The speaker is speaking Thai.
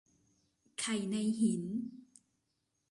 ไข่ในหิน